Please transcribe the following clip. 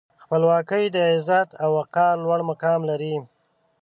خپلواکي د عزت او وقار لوړ مقام لري.